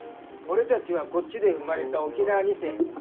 俺たちはこっちで生まれた沖縄二世。